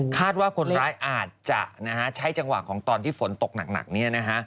คาดว่าคนร้ายอาจจะใช้จังหวะของตอนที่ฝนตกหนัก